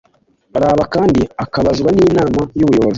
Rab kandi akabazwa n inama y ubuyobozi